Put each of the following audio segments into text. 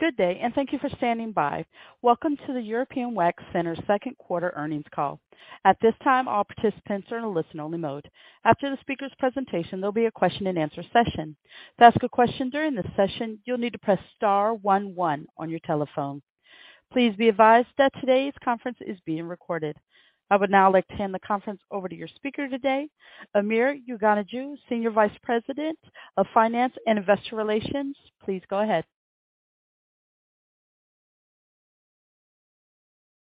Good day, and thank you for standing by. Welcome to the European Wax Center's second quarter earnings call. At this time, all participants are in a listen-only mode. After the speaker's presentation, there'll be a question-and-answer session. To ask a question during this session, you'll need to press star one one on your telephone. Please be advised that today's conference is being recorded. I would now like to hand the conference over to your speaker today, Amir Yeganehjoo, Senior Vice President of Finance and Investor Relations. Please go ahead.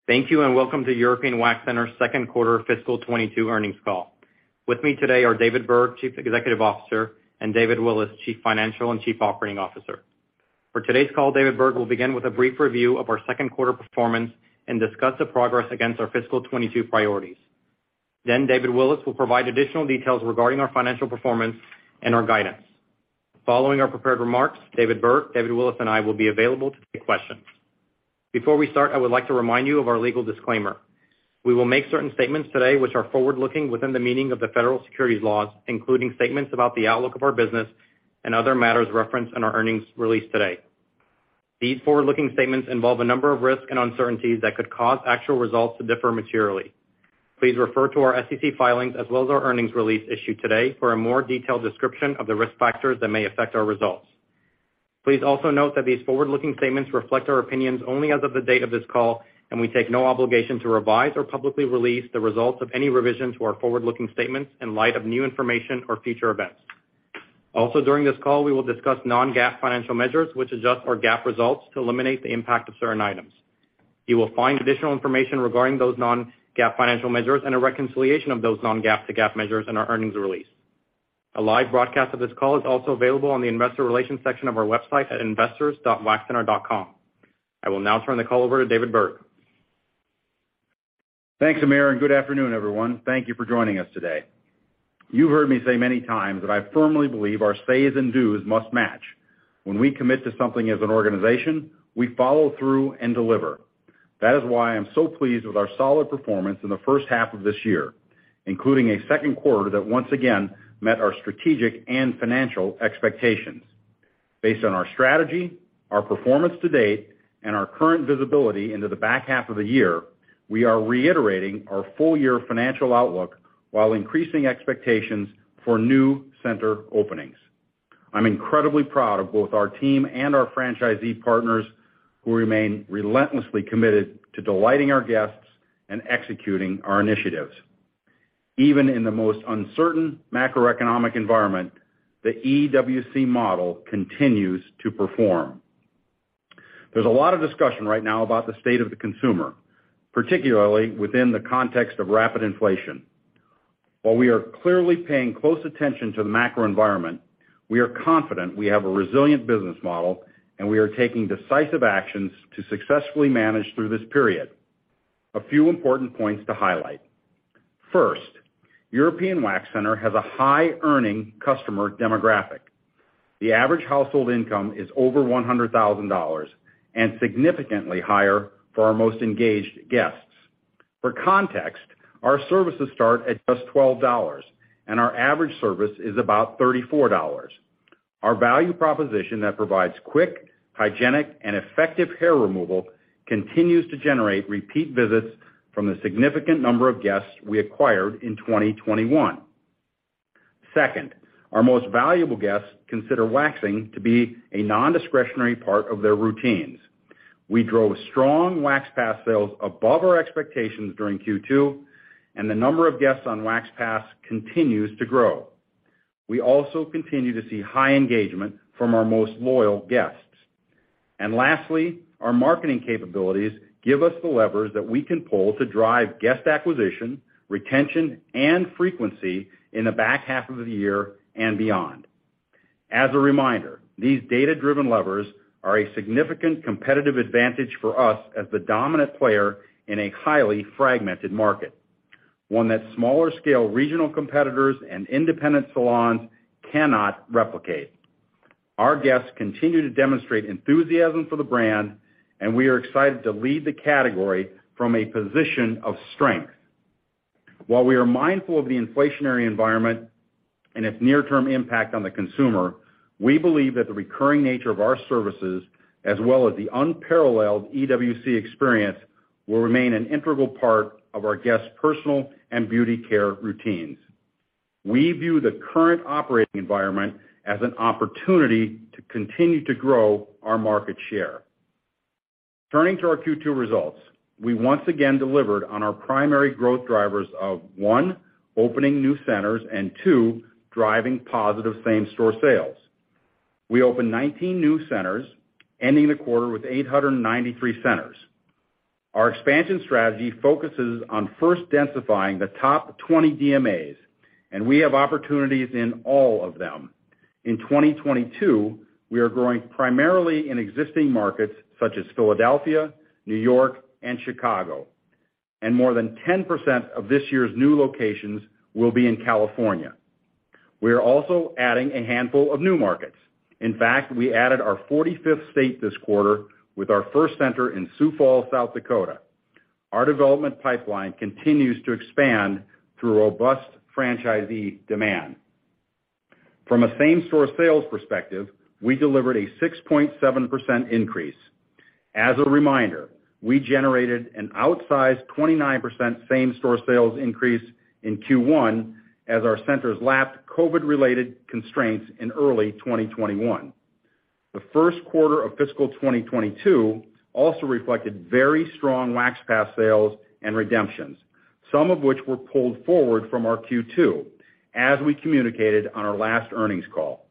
Thank you, and welcome to European Wax Center's second quarter fiscal 2022 earnings call. With me today are David Berg, Chief Executive Officer, and David Willis, Chief Financial and Chief Operating Officer. For today's call, David Berg will begin with a brief review of our second quarter performance and discuss the progress against our fiscal 2022 priorities. Then David Willis will provide additional details regarding our financial performance and our guidance. Following our prepared remarks, David Berg, David Willis, and I will be available to take questions. Before we start, I would like to remind you of our legal disclaimer. We will make certain statements today which are forward-looking within the meaning of the Federal Securities Laws, including statements about the outlook of our business and other matters referenced in our earnings release today. These forward-looking statements involve a number of risks and uncertainties that could cause actual results to differ materially. Please refer to our SEC filings as well as our earnings release issued today for a more detailed description of the risk factors that may affect our results. Please also note that these forward-looking statements reflect our opinions only as of the date of this call, and we take no obligation to revise or publicly release the results of any revision to our forward-looking statements in light of new information or future events. Also, during this call, we will discuss non-GAAP financial measures, which adjust our GAAP results to eliminate the impact of certain items. You will find additional information regarding those non-GAAP financial measures and a reconciliation of those non-GAAP to GAAP measures in our earnings release. A live broadcast of this call is also available on the investor relations section of our website at investors.waxcenter.com. I will now turn the call over to David Berg. Thanks, Amir, and good afternoon, everyone. Thank you for joining us today. You heard me say many times that I firmly believe our says and does must match. When we commit to something as an organization, we follow through and deliver. That is why I'm so pleased with our solid performance in the first half of this year, including a second quarter that once again met our strategic and financial expectations. Based on our strategy, our performance to date, and our current visibility into the back half of the year, we are reiterating our full-year financial outlook while increasing expectations for new center openings. I'm incredibly proud of both our team and our franchisee partners, who remain relentlessly committed to delighting our guests and executing our initiatives. Even in the most uncertain macroeconomic environment, the EWC model continues to perform. There's a lot of discussion right now about the state of the consumer, particularly within the context of rapid inflation. While we are clearly paying close attention to the macro environment, we are confident we have a resilient business model, and we are taking decisive actions to successfully manage through this period. A few important points to highlight. First, European Wax Center has a high-earning customer demographic. The average household income is over $100,000 and significantly higher for our most engaged guests. For context, our services start at just $12, and our average service is about $34. Our value proposition that provides quick, hygienic, and effective hair removal continues to generate repeat visits from the significant number of guests we acquired in 2021. Second, our most valuable guests consider waxing to be a non-discretionary part of their routines. We drove strong Wax Pass sales above our expectations during Q2, and the number of guests on Wax Pass continues to grow. We also continue to see high engagement from our most loyal guests. Lastly, our marketing capabilities give us the levers that we can pull to drive guest acquisition, retention, and frequency in the back half of the year and beyond. As a reminder, these data-driven levers are a significant competitive advantage for us as the dominant player in a highly fragmented market, one that smaller-scale regional competitors and independent salons cannot replicate. Our guests continue to demonstrate enthusiasm for the brand, and we are excited to lead the category from a position of strength. While we are mindful of the inflationary environment and its near-term impact on the consumer, we believe that the recurring nature of our services, as well as the unparalleled EWC experience, will remain an integral part of our guests' personal and beauty care routines. We view the current operating environment as an opportunity to continue to grow our market share. Turning to our Q2 results, we once again delivered on our primary growth drivers of, one, opening new centers and, two, driving positive same-store sales. We opened 19 new centers, ending the quarter with 893 centers. Our expansion strategy focuses on first densifying the top 20 DMAs, and we have opportunities in all of them. In 2022, we are growing primarily in existing markets such as Philadelphia, New York, and Chicago, and more than 10% of this year's new locations will be in California. We are also adding a handful of new markets. In fact, we added our 45th state this quarter with our first center in Sioux Falls, South Dakota. Our development pipeline continues to expand through robust franchisee demand. From a same-store sales perspective, we delivered a 6.7% increase. As a reminder, we generated an outsized 29% same-store sales increase in Q1 as our centers lapped COVID-related constraints in early 2021. The first quarter of fiscal 2022 also reflected very strong Wax Pass sales and redemptions, some of which were pulled forward from our Q2, as we communicated on our last earnings call.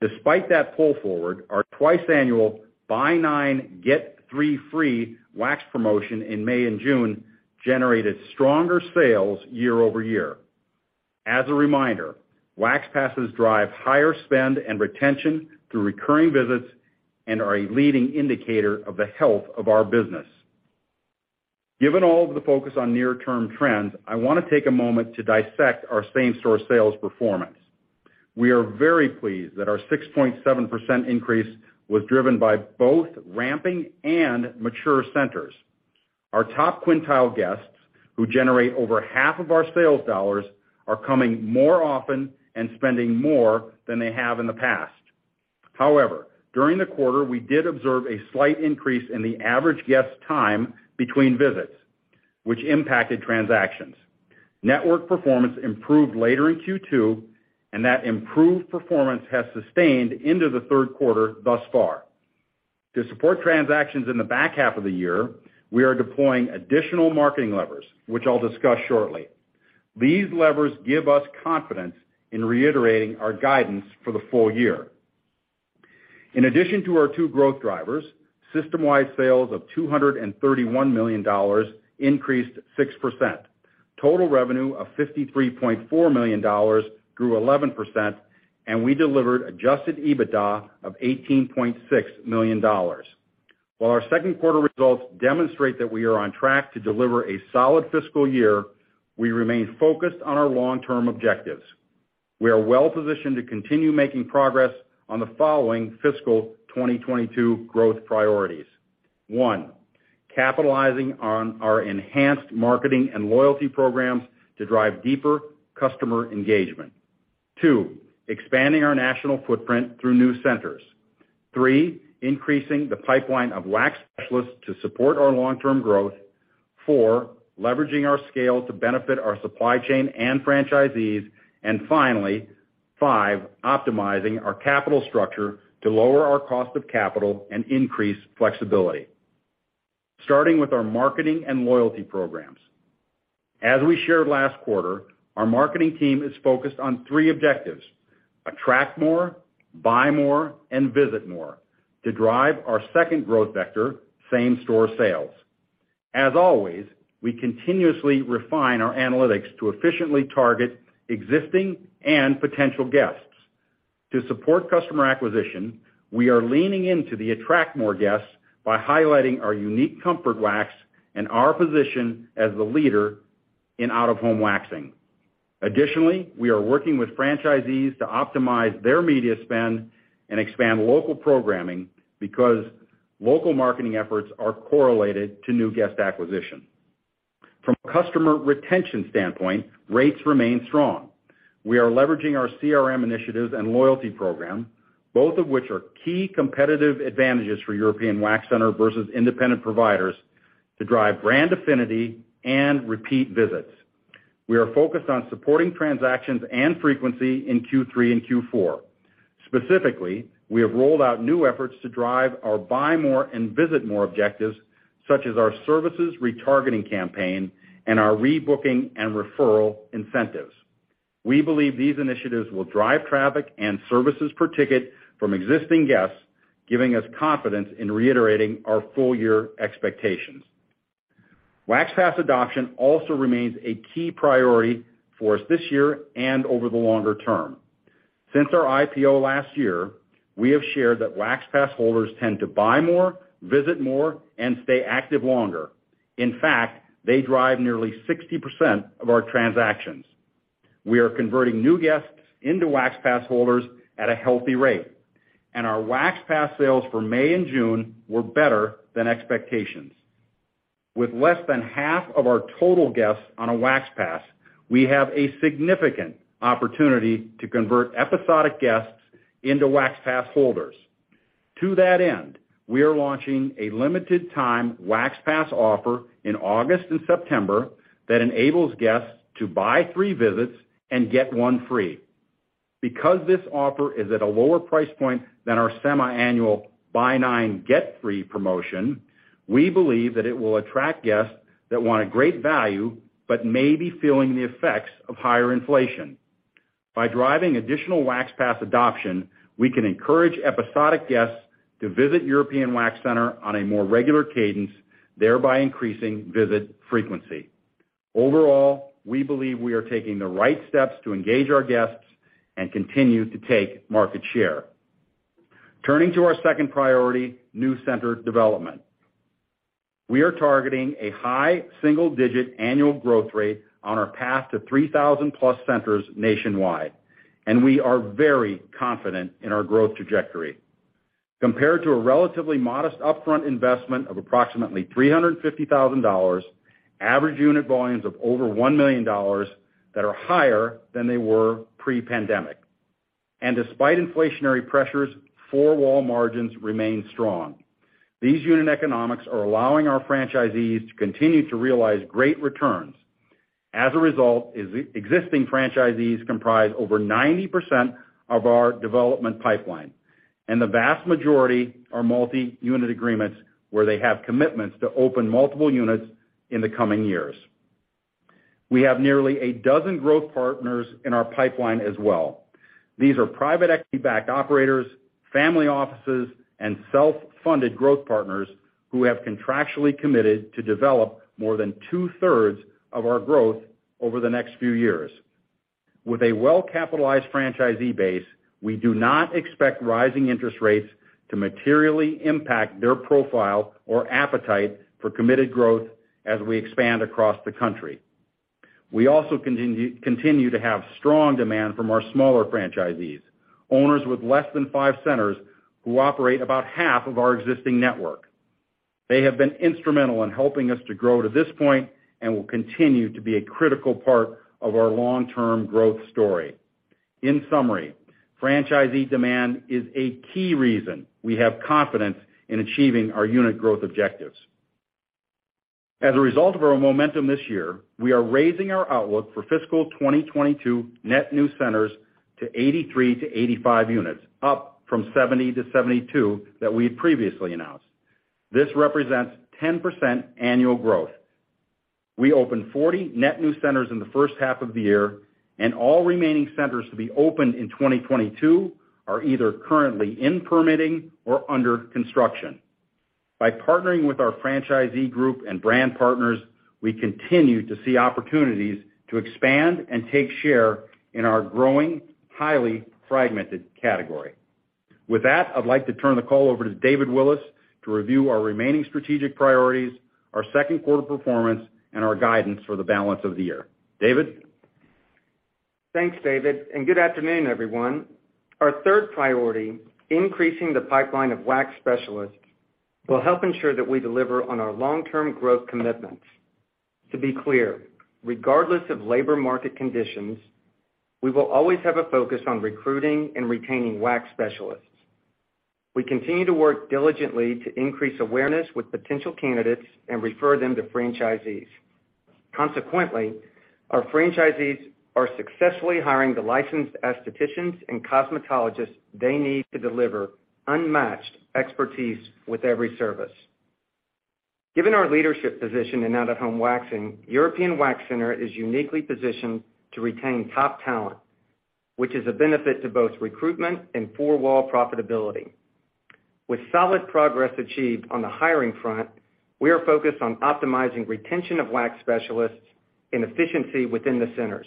Despite that pull forward, our twice annual buy 9, get 3 free wax promotion in May and June generated stronger sales year-over-year. As a reminder, Wax Passes drive higher spend and retention through recurring visits and are a leading indicator of the health of our business. Given all of the focus on near-term trends, I want to take a moment to dissect our same-store sales performance. We are very pleased that our 6.7% increase was driven by both ramping and mature centers. Our top quintile guests, who generate over half of our sales dollars, are coming more often and spending more than they have in the past. However, during the quarter, we did observe a slight increase in the average guest time between visits, which impacted transactions. Network performance improved later in Q2, and that improved performance has sustained into the third quarter thus far. To support transactions in the back half of the year, we are deploying additional marketing levers, which I'll discuss shortly. These levers give us confidence in reiterating our guidance for the full year. In addition to our two growth drivers, system-wide sales of $231 million increased 6%. Total revenue of $53.4 million grew 11%, and we delivered Adjusted EBITDA of $18.6 million. While our second quarter results demonstrate that we are on track to deliver a solid fiscal year, we remain focused on our long-term objectives. We are well-positioned to continue making progress on the following fiscal 2022 growth priorities. One, capitalizing on our enhanced marketing and loyalty programs to drive deeper customer engagement. Two, expanding our national footprint through new centers. Three, increasing the pipeline of wax specialists to support our long-term growth. Four, leveraging our scale to benefit our supply chain and franchisees. Finally, five, optimizing our capital structure to lower our cost of capital and increase flexibility. Starting with our marketing and loyalty programs. As we shared last quarter, our marketing team is focused on three objectives, attract more, buy more, and visit more to drive our second growth vector, same-store sales. As always, we continuously refine our analytics to efficiently target existing and potential guests. To support customer acquisition, we are leaning into the attract more guests by highlighting our unique Comfort Wax and our position as the leader in out-of-home waxing. Additionally, we are working with franchisees to optimize their media spend and expand local programming because local marketing efforts are correlated to new guest acquisition. From a customer retention standpoint, rates remain strong. We are leveraging our CRM initiatives and loyalty program, both of which are key competitive advantages for European Wax Center versus independent providers to drive brand affinity and repeat visits. We are focused on supporting transactions and frequency in Q3 and Q4. Specifically, we have rolled out new efforts to drive our buy more and visit more objectives, such as our services retargeting campaign and our rebooking and referral incentives. We believe these initiatives will drive traffic and services per ticket from existing guests, giving us confidence in reiterating our full-year expectations. Wax Pass adoption also remains a key priority for us this year and over the longer term. Since our IPO last year, we have shared that Wax Pass holders tend to buy more, visit more, and stay active longer. In fact, they drive nearly 60% of our transactions. We are converting new guests into Wax Pass holders at a healthy rate, and our Wax Pass sales for May and June were better than expectations. With less than half of our total guests on a Wax Pass, we have a significant opportunity to convert episodic guests into Wax Pass holders. To that end, we are launching a limited time Wax Pass offer in August and September that enables guests to buy three visits and get one free. Because this offer is at a lower price point than our semiannual buy 9, get 3 promotion, we believe that it will attract guests that want a great value but may be feeling the effects of higher inflation. By driving additional Wax Pass adoption, we can encourage episodic guests to visit European Wax Center on a more regular cadence, thereby increasing visit frequency. Overall, we believe we are taking the right steps to engage our guests and continue to take market share. Turning to our second priority, new center development. We are targeting a high single-digit annual growth rate on our path to 3,000+ centers nationwide, and we are very confident in our growth trajectory. Compared to a relatively modest upfront investment of approximately $350,000, Average Unit Volume of over $1 million that are higher than they were pre-pandemic. Despite inflationary pressures, four-wall margins remain strong. These unit economics are allowing our franchisees to continue to realize great returns. As a result, existing franchisees comprise over 90% of our development pipeline, and the vast majority are multi-unit agreements where they have commitments to open multiple units in the coming years. We have nearly a dozen growth partners in our pipeline as well. These are private equity-backed operators, family offices, and self-funded growth partners who have contractually committed to develop more than 2/3 of our growth over the next few years. With a well-capitalized franchisee base, we do not expect rising interest rates to materially impact their profile or appetite for committed growth as we expand across the country. We also continue to have strong demand from our smaller franchisees, owners with less than five centers who operate about half of our existing network. They have been instrumental in helping us to grow to this point and will continue to be a critical part of our long-term growth story. In summary, franchisee demand is a key reason we have confidence in achieving our unit growth objectives. As a result of our momentum this year, we are raising our outlook for fiscal 2022 net new centers to 83-85 units, up from 70-72 that we had previously announced. This represents 10% annual growth. We opened 40 net new centers in the first half of the year, and all remaining centers to be opened in 2022 are either currently in permitting or under construction. By partnering with our franchisee group and brand partners, we continue to see opportunities to expand and take share in our growing, highly fragmented category. With that, I'd like to turn the call over to David Willis to review our remaining strategic priorities, our second quarter performance, and our guidance for the balance of the year. David? Thanks, David, and good afternoon, everyone. Our third priority, increasing the pipeline of wax specialists, will help ensure that we deliver on our long-term growth commitments. To be clear, regardless of labor market conditions, we will always have a focus on recruiting and retaining wax specialists. We continue to work diligently to increase awareness with potential candidates and refer them to franchisees. Consequently, our franchisees are successfully hiring the licensed aestheticians and cosmetologists they need to deliver unmatched expertise with every service. Given our leadership position in out-of-home waxing, European Wax Center is uniquely positioned to retain top talent, which is a benefit to both recruitment and four-wall profitability. With solid progress achieved on the hiring front, we are focused on optimizing retention of wax specialists and efficiency within the centers.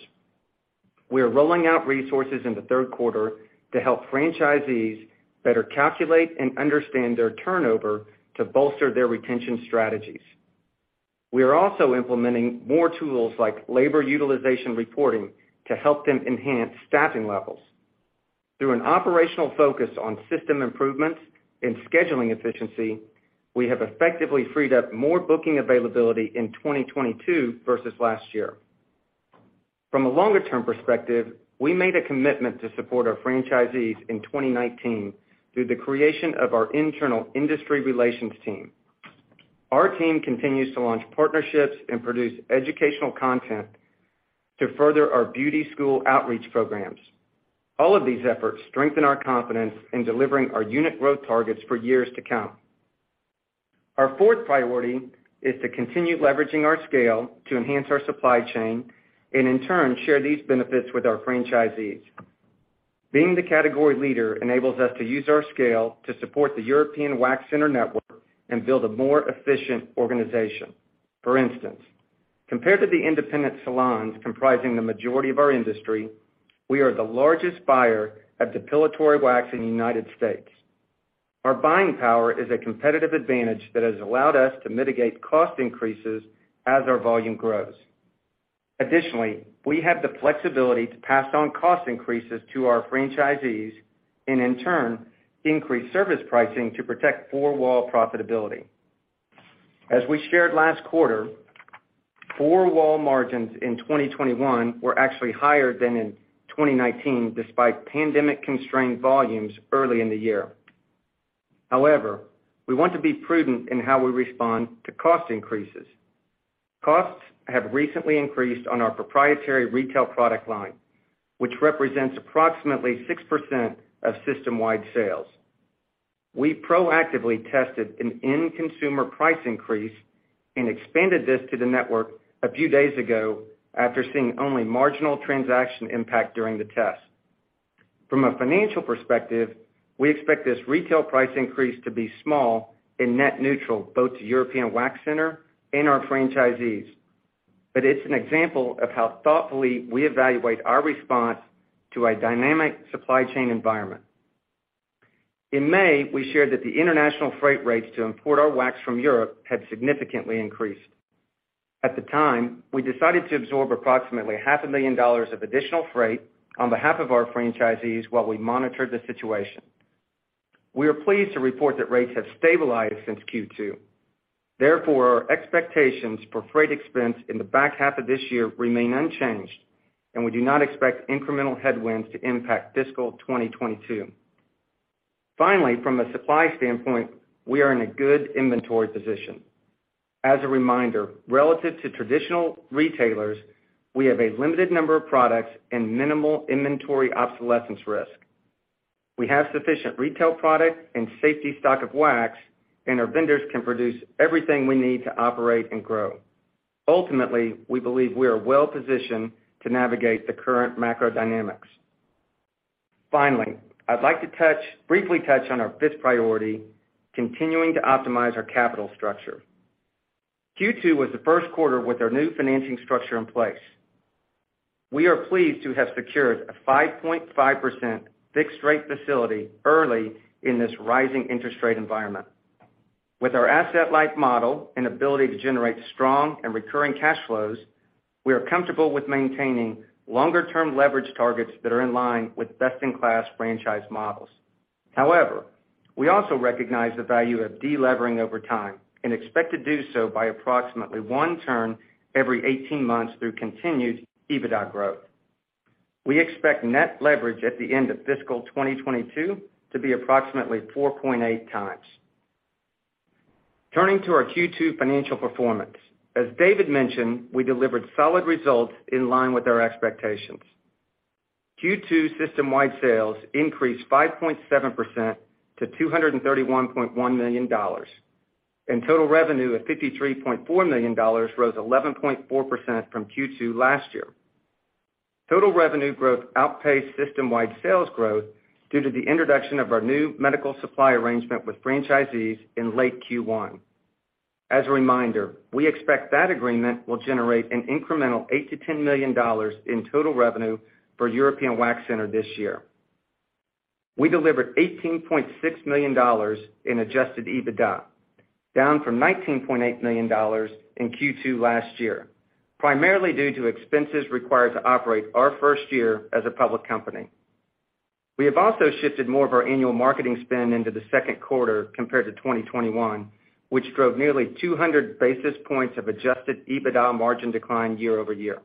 We are rolling out resources in the third quarter to help franchisees better calculate and understand their turnover to bolster their retention strategies. We are also implementing more tools like labor utilization reporting to help them enhance staffing levels. Through an operational focus on system improvements and scheduling efficiency, we have effectively freed up more booking availability in 2022 versus last year. From a longer-term perspective, we made a commitment to support our franchisees in 2019 through the creation of our internal industry relations team. Our team continues to launch partnerships and produce educational content to further our beauty school outreach programs. All of these efforts strengthen our confidence in delivering our unit growth targets for years to come. Our fourth priority is to continue leveraging our scale to enhance our supply chain and in turn, share these benefits with our franchisees. Being the category leader enables us to use our scale to support the European Wax Center network and build a more efficient organization. For instance, compared to the independent salons comprising the majority of our industry, we are the largest buyer of depilatory wax in the United States. Our buying power is a competitive advantage that has allowed us to mitigate cost increases as our volume grows. Additionally, we have the flexibility to pass on cost increases to our franchisees and in turn, increase service pricing to protect four-wall profitability. As we shared last quarter, four-wall margins in 2021 were actually higher than in 2019, despite pandemic-constrained volumes early in the year. However, we want to be prudent in how we respond to cost increases. Costs have recently increased on our proprietary retail product line, which represents approximately 6% of system-wide sales. We proactively tested an end consumer price increase and expanded this to the network a few days ago after seeing only marginal transaction impact during the test. From a financial perspective, we expect this retail price increase to be small and net neutral, both to European Wax Center and our franchisees. It's an example of how thoughtfully we evaluate our response to a dynamic supply chain environment. In May, we shared that the international freight rates to import our wax from Europe had significantly increased. At the time, we decided to absorb approximately $500,000 of additional freight on behalf of our franchisees while we monitored the situation. We are pleased to report that rates have stabilized since Q2. Therefore, our expectations for freight expense in the back half of this year remain unchanged, and we do not expect incremental headwinds to impact fiscal 2022. Finally, from a supply standpoint, we are in a good inventory position. As a reminder, relative to traditional retailers, we have a limited number of products and minimal inventory obsolescence risk. We have sufficient retail product and safety stock of wax, and our vendors can produce everything we need to operate and grow. Ultimately, we believe we are well-positioned to navigate the current macro dynamics. Finally, I'd like to briefly touch on our fifth priority, continuing to optimize our capital structure. Q2 was the first quarter with our new financing structure in place. We are pleased to have secured a 5.5% fixed rate facility early in this rising interest rate environment. With our asset-light model and ability to generate strong and recurring cash flows, we are comfortable with maintaining longer-term leverage targets that are in line with best-in-class franchise models. However, we also recognize the value of delevering over time and expect to do so by approximately one turn every 18 months through continued EBITDA growth. We expect net leverage at the end of fiscal 2022 to be approximately 4.8x. Turning to our Q2 financial performance. As David mentioned, we delivered solid results in line with our expectations. Q2 system-wide sales increased 5.7% to $231.1 million, and total revenue of $53.4 million rose 11.4% from Q2 last year. Total revenue growth outpaced system-wide sales growth due to the introduction of our new medical supply arrangement with franchisees in late Q1. As a reminder, we expect that agreement will generate an incremental $8 million-$10 million in total revenue for European Wax Center this year. We delivered $18.6 million in Adjusted EBITDA, down from $19.8 million in Q2 last year, primarily due to expenses required to operate our first year as a public company. We have also shifted more of our annual marketing spend into the second quarter compared to 2021, which drove nearly 200 basis points of Adjusted EBITDA margin decline year over year.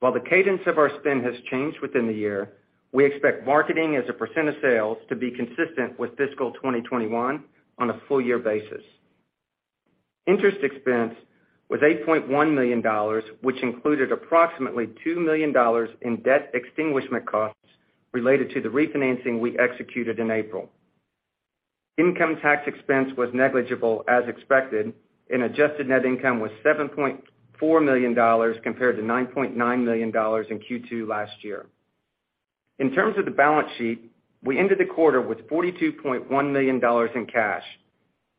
While the cadence of our spend has changed within the year, we expect marketing as a percent of sales to be consistent with fiscal 2021 on a full year basis. Interest expense was $8.1 million, which included approximately $2 million in debt extinguishment costs related to the refinancing we executed in April. Income tax expense was negligible as expected, and Adjusted net income was $7.4 million compared to $9.9 million in Q2 last year. In terms of the balance sheet, we ended the quarter with $42.1 million in cash.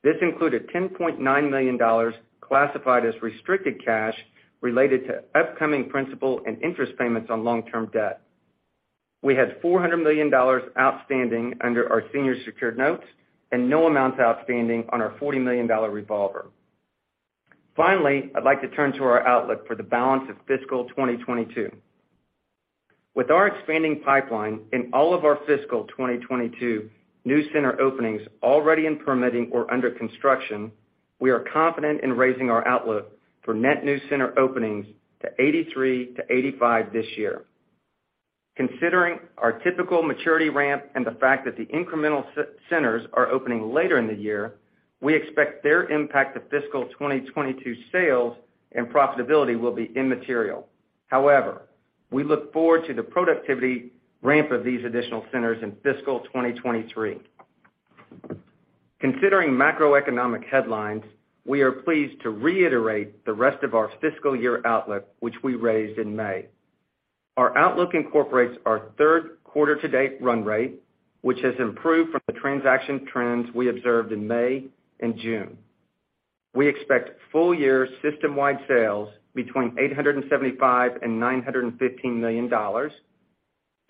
This included $10.9 million classified as restricted cash related to upcoming principal and interest payments on long-term debt. We had $400 million outstanding under our senior secured notes and no amounts outstanding on our $40 million revolver. Finally, I'd like to turn to our outlook for the balance of fiscal 2022. With our expanding pipeline and all of our fiscal 2022 new center openings already in permitting or under construction, we are confident in raising our outlook for net new center openings to 83-85 this year. Considering our typical maturity ramp and the fact that the incremental centers are opening later in the year, we expect their impact to fiscal 2022 sales and profitability will be immaterial. However, we look forward to the productivity ramp of these additional centers in fiscal 2023. Considering macroeconomic headlines, we are pleased to reiterate the rest of our fiscal year outlook, which we raised in May. Our outlook incorporates our third quarter to date run rate, which has improved from the transaction trends we observed in May and June. We expect full year system-wide sales between $875 million and $915 million,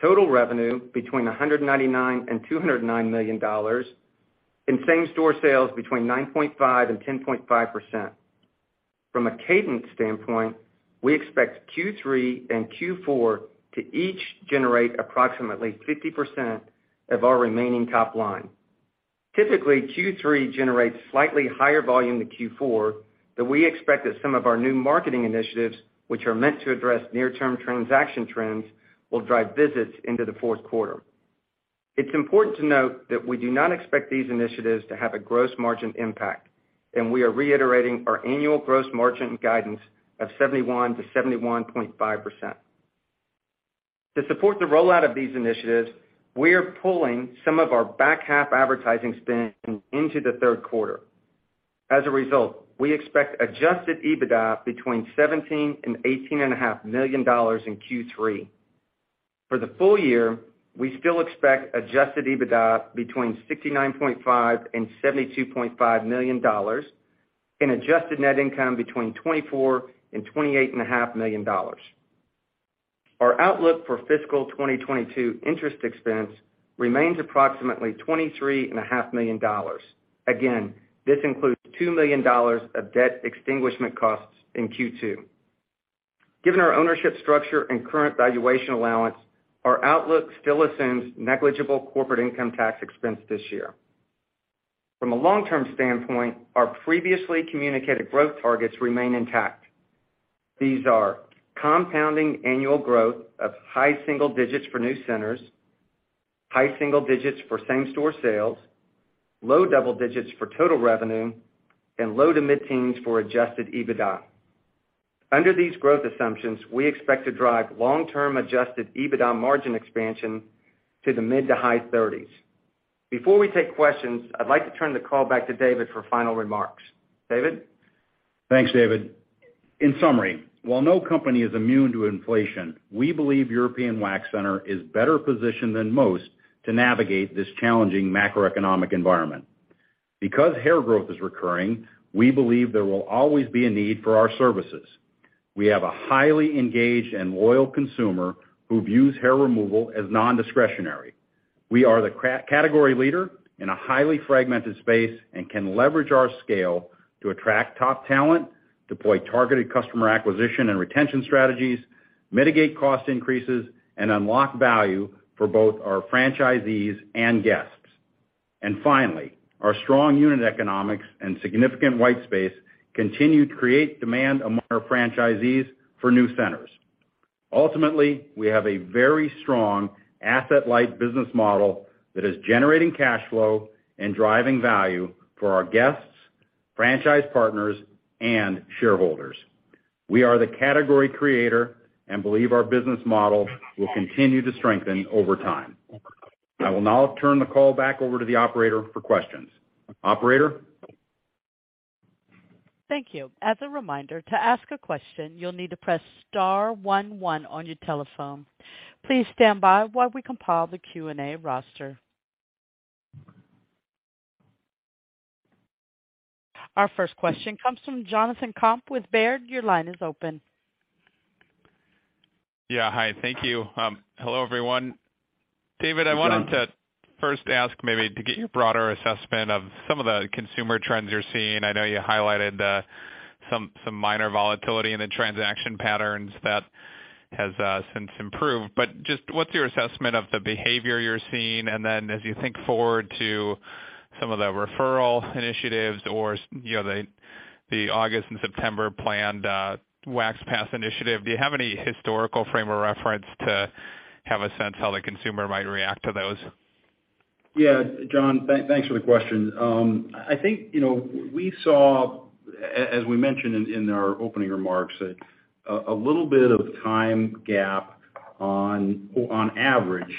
total revenue between $199 million and $209 million, and same-store sales between 9.5% and 10.5%. From a cadence standpoint, we expect Q3 and Q4 to each generate approximately 50% of our remaining top line. Typically, Q3 generates slightly higher volume than Q4, but we expect that some of our new marketing initiatives, which are meant to address near-term transaction trends, will drive visits into the fourth quarter. It's important to note that we do not expect these initiatives to have a gross margin impact, and we are reiterating our annual gross margin guidance of 71%-71.5%. To support the rollout of these initiatives, we are pulling some of our back half advertising spend into the third quarter. As a result, we expect Adjusted EBITDA between $17 million and $18.5 million in Q3. For the full year, we still expect Adjusted EBITDA between $69.5 million and $72.5 million and Adjusted net income between $24 million and $28.5 million. Our outlook for fiscal 2022 interest expense remains approximately $23.5 million. Again, this includes $2 million of debt extinguishment costs in Q2. Given our ownership structure and current valuation allowance, our outlook still assumes negligible corporate income tax expense this year. From a long-term standpoint, our previously communicated growth targets remain intact. These are compounding annual growth of high single digits for new centers, high single digits for same-store sales, low double digits for total revenue, and low to mid-teens for Adjusted EBITDA. Under these growth assumptions, we expect to drive long-term Adjusted EBITDA margin expansion to the mid to high 30s%. Before we take questions, I'd like to turn the call back to David for final remarks. David? Thanks, David. In summary, while no company is immune to inflation, we believe European Wax Center is better positioned than most to navigate this challenging macroeconomic environment. Because hair growth is recurring, we believe there will always be a need for our services. We have a highly engaged and loyal consumer who views hair removal as nondiscretionary. We are the category leader in a highly fragmented space and can leverage our scale to attract top talent, deploy targeted customer acquisition and retention strategies, mitigate cost increases, and unlock value for both our franchisees and guests. Finally, our strong unit economics and significant white space continue to create demand among our franchisees for new centers. Ultimately, we have a very strong asset-light business model that is generating cash flow and driving value for our guests, franchise partners, and shareholders. We are the category creator and believe our business model will continue to strengthen over time. I will now turn the call back over to the operator for questions. Operator? Thank you. As a reminder, to ask a question, you'll need to press star one one on your telephone. Please stand by while we compile the Q&A roster. Our first question comes from Jonathan Komp with Baird. Your line is open. Yeah. Hi. Thank you. Hello, everyone. Jonathan. David, I wanted to first ask maybe to get your broader assessment of some of the consumer trends you're seeing. I know you highlighted some minor volatility in the transaction patterns that has since improved. Just what's your assessment of the behavior you're seeing? Then as you think forward to some of the referral initiatives or, you know, the August and September planned Wax Pass initiative, do you have any historical frame of reference to have a sense how the consumer might react to those? Yeah. Jonathan, thanks for the question. I think, you know, we saw as we mentioned in our opening remarks a little bit of time gap on average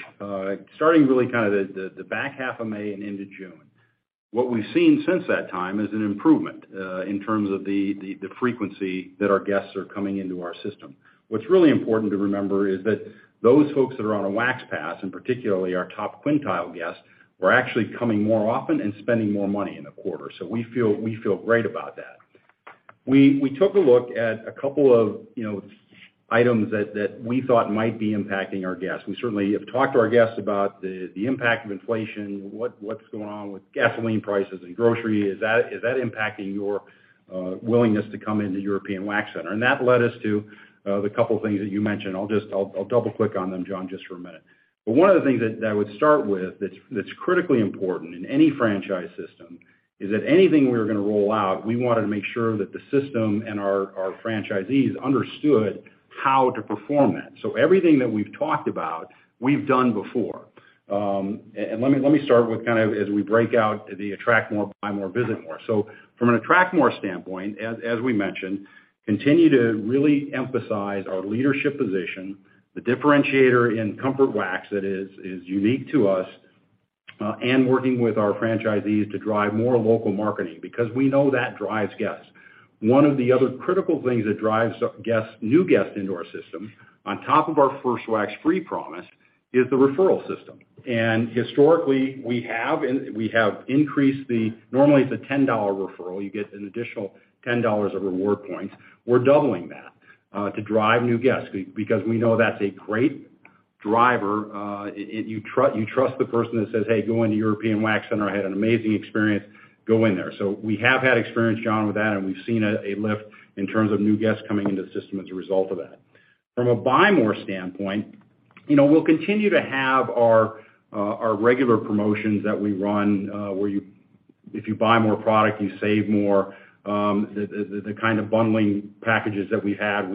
starting really kind of the back half of May and into June. What we've seen since that time is an improvement in terms of the frequency that our guests are coming into our system. What's really important to remember is that those folks that are on a Wax Pass, and particularly our top quintile guests, were actually coming more often and spending more money in the quarter. We feel great about that. We took a look at a couple of, you know, items that we thought might be impacting our guests. We certainly have talked to our guests about the impact of inflation, what's going on with gasoline prices and grocery. Is that impacting your willingness to come into European Wax Center? That led us to the couple things that you mentioned. I'll double-click on them, Jonathan, just for a minute. One of the things that I would start with that's critically important in any franchise system is that anything we are gonna roll out, we wanted to make sure that the system and our franchisees understood how to perform that. Everything that we've talked about, we've done before. Let me start with kind of as we break out the attract more, buy more, visit more. From an attract more standpoint, as we mentioned, continue to really emphasize our leadership position, the differentiator in Comfort Wax that is unique to us, and working with our franchisees to drive more local marketing because we know that drives guests. One of the other critical things that drives guests, new guests into our system on top of our First Wax Free promise is the referral system. Historically, we have increased it. Normally, it's a $10 referral. You get an additional $10 of reward points. We're doubling that to drive new guests because we know that's a great driver. You trust the person that says, "Hey. Go into European Wax Center. I had an amazing experience. Go in there." We have had experience, Jonathan, with that, and we've seen a lift in terms of new guests coming into the system as a result of that. From a buy more standpoint, you know, we'll continue to have our regular promotions that we run, where if you buy more product, you save more, the kind of bundling packages that we have.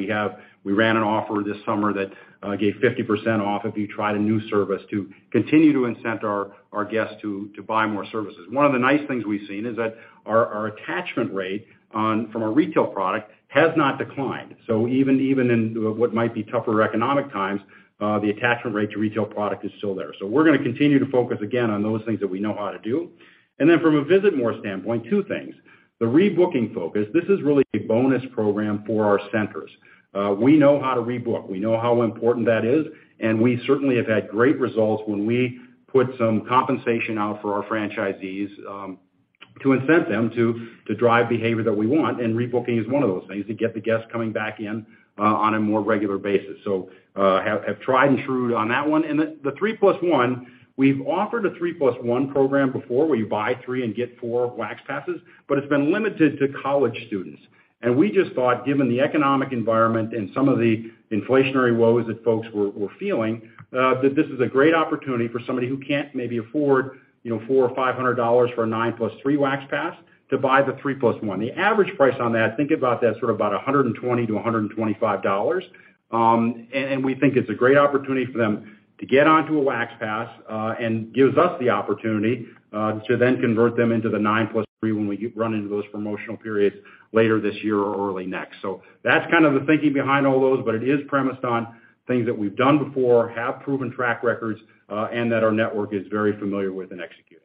We ran an offer this summer that gave 50% off if you tried a new service to continue to incent our guests to buy more services. One of the nice things we've seen is that our attachment rate from a retail product has not declined. Even in what might be tougher economic times, the attachment rate to retail product is still there. We're gonna continue to focus again on those things that we know how to do. From a visits-more standpoint, two things. The rebooking focus, this is really a bonus program for our centers. We know how to rebook. We know how important that is, and we certainly have had great results when we put some compensation out for our franchisees, to incent them to drive behavior that we want, and rebooking is one of those things to get the guests coming back in on a more regular basis. Tried and true on that one. The 3+1, we've offered a 3+1 program before where you buy 3 and get 4 Wax Passes, but it's been limited to college students. We just thought, given the economic environment and some of the inflationary woes that folks were feeling, that this is a great opportunity for somebody who can't maybe afford, you know, $400 or $500 for a 9+3 Wax Pass to buy the 3+1. The average price on that, think about that sort of about $120-$125. We think it's a great opportunity for them to get onto a Wax Pass, and gives us the opportunity to then convert them into the 9+3 when we run into those promotional periods later this year or early next. That's kind of the thinking behind all those, but it is premised on things that we've done before, have proven track records, and that our network is very familiar with and executing.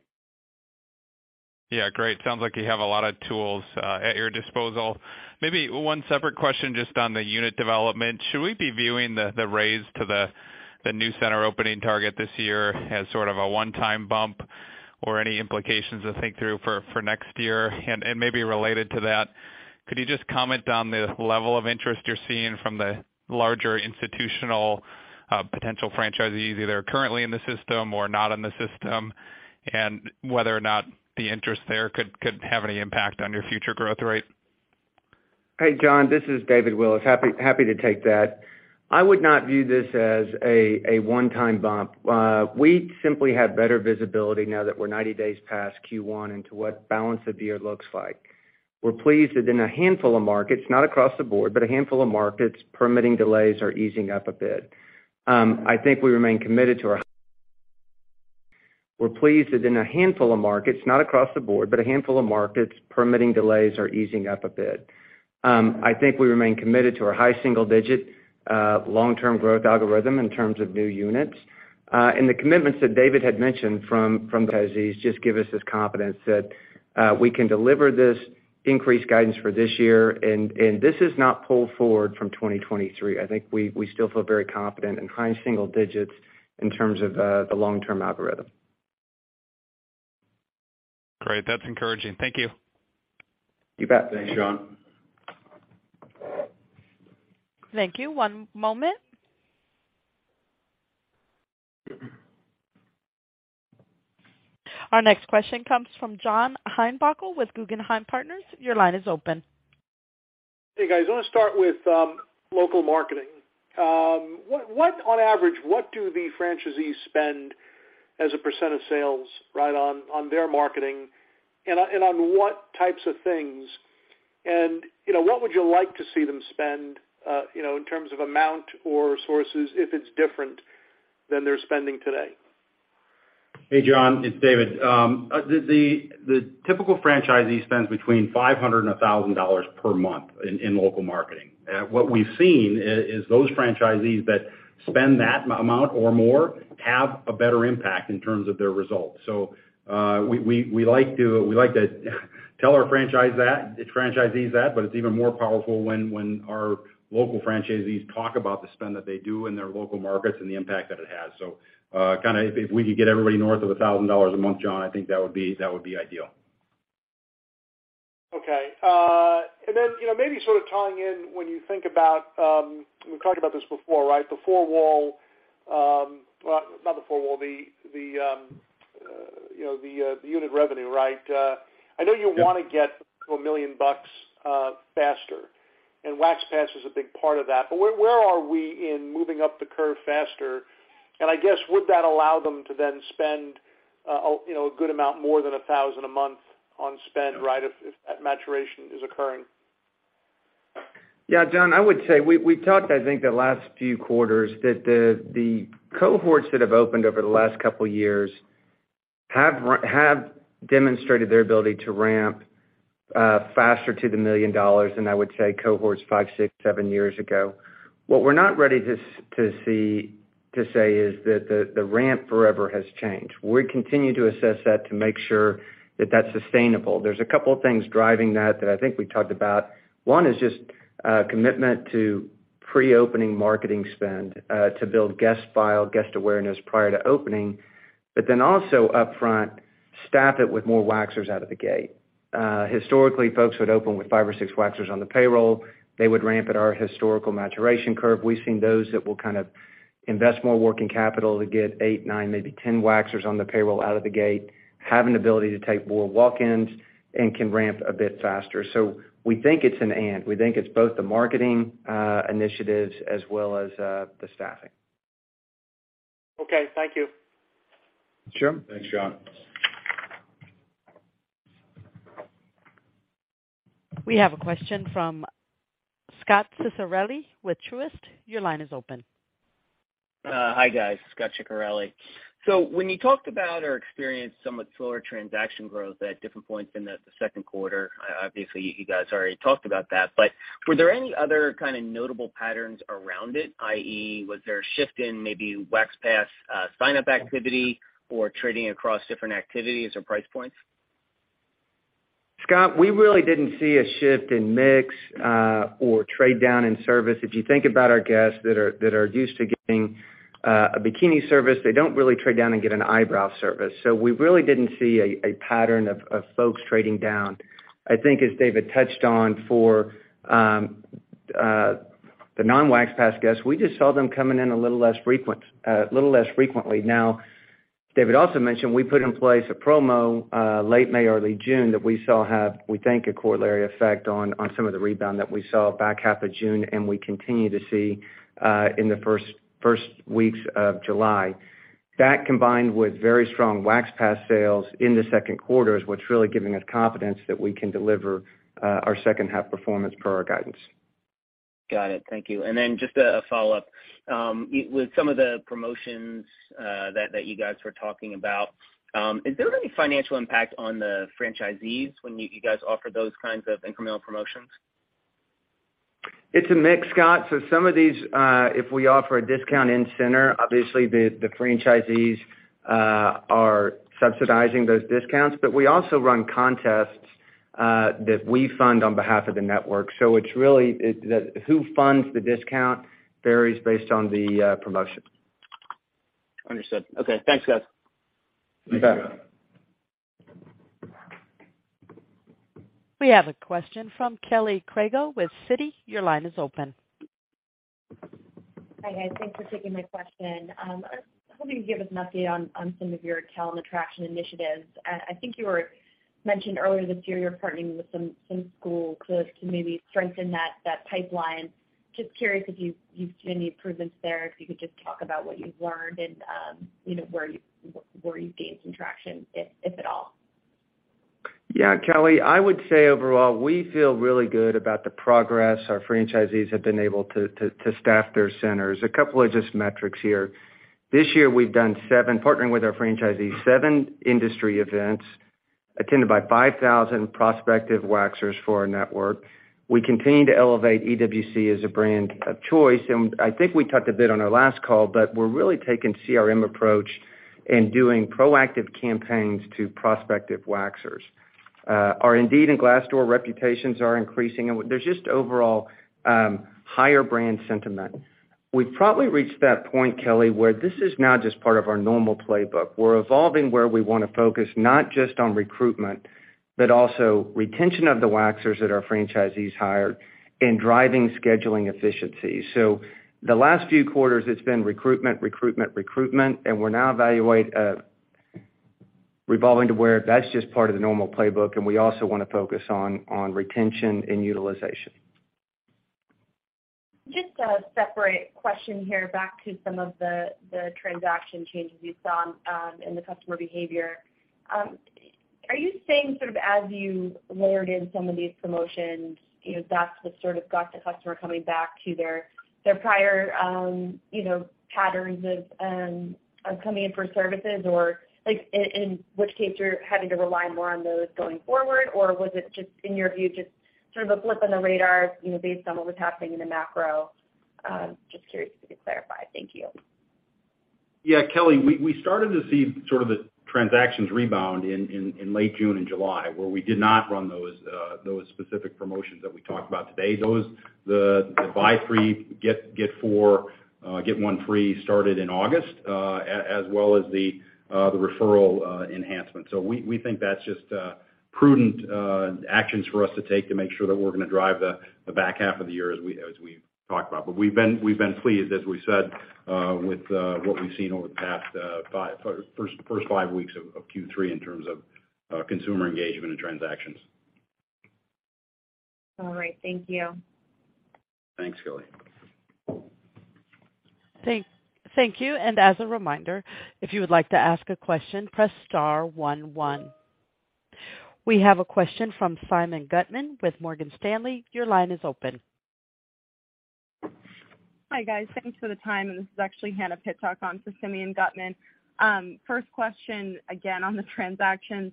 Yeah, great. Sounds like you have a lot of tools at your disposal. Maybe one separate question just on the unit development. Should we be viewing the raise to the new center opening target this year as sort of a one-time bump or any implications to think through for next year? And maybe related to that, could you just comment on the level of interest you're seeing from the larger institutional potential franchisees, either currently in the system or not in the system, and whether or not the interest there could have any impact on your future growth rate? Hey, Jonathan, this is David Willis. Happy to take that. I would not view this as a one-time bump. We simply have better visibility now that we're 90 days past Q1 into what balance of the year looks like. We're pleased that in a handful of markets, not across the board, but a handful of markets, permitting delays are easing up a bit. I think we remain committed to our high single-digit long-term growth algorithm in terms of new units. The commitments that David had mentioned from the franchisees just give us this confidence that we can deliver this increased guidance for this year. This is not pulled forward from 2023. I think we still feel very confident in high single digits in terms of the long-term algorithm. Great. That's encouraging. Thank you. You bet. Thanks, Jonathan. Thank you. One moment. Our next question comes from John Heinbockel with Guggenheim Securities. Your line is open. Hey, guys. I wanna start with local marketing. What on average do the franchisees spend as a percent of sales, right, on their marketing and on what types of things? You know, what would you like to see them spend, you know, in terms of amount or sources, if it's different than they're spending today? Hey, John, it's David. The typical franchisee spends between $500 and $1,000 per month in local marketing. What we've seen is those franchisees that spend that amount or more have a better impact in terms of their results. We like to tell our franchisees that, but it's even more powerful when our local franchisees talk about the spend that they do in their local markets and the impact that it has. Kinda if we could get everybody north of $1,000 a month, John, I think that would be ideal. You know, maybe sort of tying in when you think about, we've talked about this before, right? The four-wall, well, not the four-wall, the unit revenue, right? I know you wanna get to $1 million faster, and Wax Pass is a big part of that. But where are we in moving up the curve faster? And I guess, would that allow them to then spend, you know, a good amount more than $1,000 a month on spend, right, if that maturation is occurring? Yeah, John, I would say we talked, I think, the last few quarters that the cohorts that have opened over the last couple years have demonstrated their ability to ramp faster to $1 million than I would say cohorts 5, 6, 7 years ago. What we're not ready to say is that the ramp forever has changed. We continue to assess that to make sure that that's sustainable. There's a couple things driving that that I think we talked about. One is just commitment to pre-opening marketing spend to build guest file, guest awareness prior to opening. But then also upfront, staff it with more waxers out of the gate. Historically, folks would open with five or six waxers on the payroll. They would ramp at our historical maturation curve. We've seen those that will kind of invest more working capital to get 8, 9, maybe 10 waxers on the payroll out of the gate, have an ability to take more walk-ins, and can ramp a bit faster. We think it's an and. We think it's both the marketing initiatives as well as the staffing. Okay, thank you. Sure. Thanks, John. We have a question from Scot Ciccarelli with Truist. Your line is open. Hi, guys. Scot Ciccarelli. When you talked about or experienced somewhat slower transaction growth at different points in the second quarter, obviously you guys already talked about that. Were there any other kind of notable patterns around it, i.e., was there a shift in maybe Wax Pass sign-up activity or trading across different activities or price points? Scott, we really didn't see a shift in mix, or trade down in service. If you think about our guests that are used to getting a bikini service, they don't really trade down and get an eyebrow service. We really didn't see a pattern of folks trading down. I think as David touched on for the non-WaxPass guests, we just saw them coming in a little less frequent, a little less frequently. Now, David also mentioned we put in place a promo late May, early June, that we saw have, we think, a corollary effect on some of the rebound that we saw back half of June, and we continue to see in the first weeks of July. That combined with very strong Wax Pass sales in the second quarter is what's really giving us confidence that we can deliver our second half performance per our guidance. Got it. Thank you. Just a follow-up. With some of the promotions that you guys were talking about, is there any financial impact on the franchisees when you guys offer those kinds of incremental promotions? It's a mix, Scott. Some of these, if we offer a discount in-center, obviously the franchisees are subsidizing those discounts, but we also run contests that we fund on behalf of the network. It's really who funds the discount varies based on the promotion. Understood. Okay, thanks guys. You bet. We have a question from Kelly Crago with Citigroup. Your line is open. Hi, guys. Thanks for taking my question. I was hoping you could give us an update on some of your talent attraction initiatives. I think you were mentioned earlier this year you're partnering with some school clubs to maybe strengthen that pipeline. Just curious if you've seen any improvements there, if you could just talk about what you've learned and, you know, where you've gained some traction, if at all. Yeah, Kelly. I would say overall, we feel really good about the progress our franchisees have been able to to staff their centers. A couple of just metrics here. This year we've done partnering with our franchisees, seven industry events attended by 5,000 prospective waxers for our network. We continue to elevate EWC as a brand of choice, and I think we talked a bit on our last call, but we're really taking CRM approach in doing proactive campaigns to prospective waxers. Our Indeed and Glassdoor reputations are increasing. There's just overall higher brand sentiment. We've probably reached that point, Kelly, where this is now just part of our normal playbook. We're evolving where we wanna focus not just on recruitment, but also retention of the waxers that our franchisees hire and driving scheduling efficiency. The last few quarters, it's been recruitment, and we're now evolving to where that's just part of the normal playbook, and we also wanna focus on retention and utilization. Just a separate question here, back to some of the transaction changes you saw in the customer behavior. Are you saying sort of as you layered in some of these promotions, you know, that's what sort of got the customer coming back to their prior, you know, patterns of coming in for services, or like in which case you're having to rely more on those going forward, or was it just in your view, just sort of a blip on the radar, you know, based on what was happening in the macro? Just curious if you could clarify. Thank you. Yeah, Kelly, we started to see sort of the transactions rebound in late June and July, where we did not run those specific promotions that we talked about today. The buy three, get one free started in August, as well as the referral enhancement. We think that's just prudent actions for us to take to make sure that we're gonna drive the back half of the year as we've talked about. We've been pleased, as we said, with what we've seen over the first five weeks of Q3 in terms of consumer engagement and transactions. All right. Thank you. Thanks, Kelly. Thank you. As a reminder, if you would like to ask a question, press star one one. We have a question from Simeon Gutman with Morgan Stanley. Your line is open. Hi, guys. Thanks for the time, and this is actually Hannah Pittock on for Simeon Gutman. First question, again on the transactions.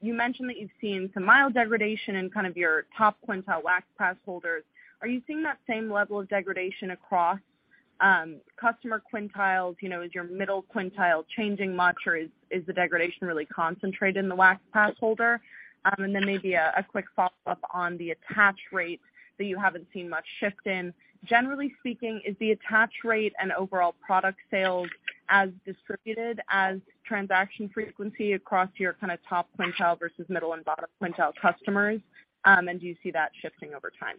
You mentioned that you've seen some mild degradation in kind of your top quintile Wax Pass holders. Are you seeing that same level of degradation across customer quintiles? You know, is your middle quintile changing much, or is the degradation really concentrated in the Wax Pass holder? And then maybe a quick follow-up on the attach rates that you haven't seen much shift in. Generally speaking, is the attach rate and overall product sales as distributed as transaction frequency across your kind of top quintile versus middle and bottom quintile customers? And do you see that shifting over time?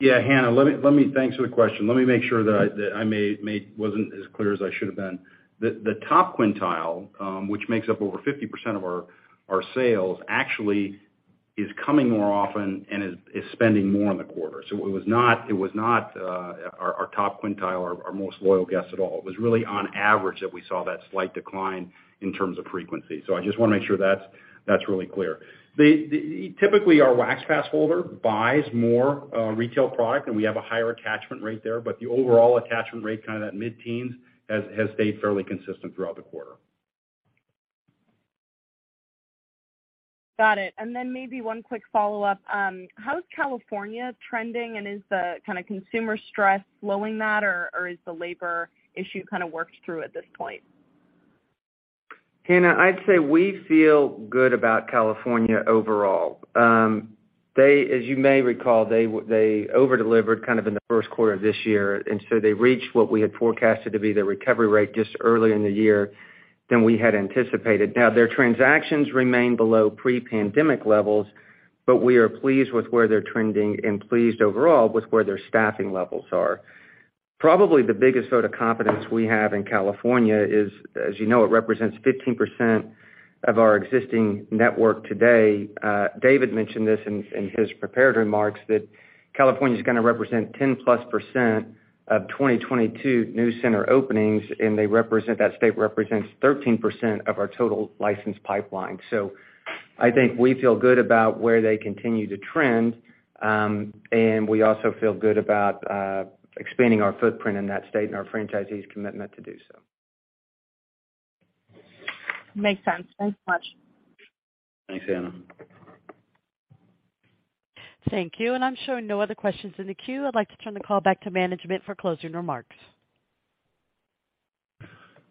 Yeah, Hannah, let me. Thanks for the question. Let me make sure that I maybe wasn't as clear as I should have been. The top quintile, which makes up over 50% of our sales, actually is coming more often and is spending more in the quarter. It was not our top quintile, our most loyal guests at all. It was really on average that we saw that slight decline in terms of frequency. I just wanna make sure that's really clear. Typically, our Wax Pass holder buys more retail product, and we have a higher attachment rate there, but the overall attachment rate, kinda that mid-teens, has stayed fairly consistent throughout the quarter. Got it. Maybe one quick follow-up. How is California trending, and is the kinda consumer stress slowing that, or is the labor issue kinda worked through at this point? Hannah, I'd say we feel good about California overall. They, as you may recall, over-delivered kind of in the first quarter of this year, and so they reached what we had forecasted to be the recovery rate just early in the year than we had anticipated. Now, their transactions remain below pre-pandemic levels, but we are pleased with where they're trending and pleased overall with where their staffing levels are. Probably the biggest vote of confidence we have in California is, as you know, it represents 15% of our existing network today. David mentioned this in his prepared remarks that California's gonna represent 10%+ of 2022 new center openings, and that state represents 13% of our total licensed pipeline. I think we feel good about where they continue to trend, and we also feel good about expanding our footprint in that state and our franchisees' commitment to do so. Makes sense. Thanks much. Thanks, Hannah. Thank you. I'm showing no other questions in the queue. I'd like to turn the call back to management for closing remarks.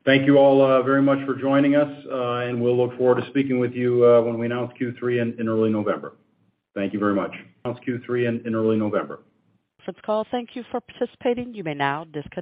Thank you all, very much for joining us, and we'll look forward to speaking with you, when we announce Q3 in early November. Thank you very much. This Q3 in early November. Thanks for the call. Thank you for participating. You may now disconnect.